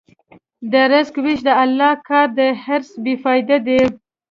د رزق وېش د الله کار دی، حرص بېفایده دی.